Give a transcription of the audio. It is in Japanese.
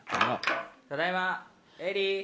ただいまエリ？